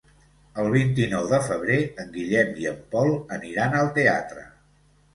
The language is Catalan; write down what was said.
El vint-i-nou de febrer en Guillem i en Pol aniran al teatre.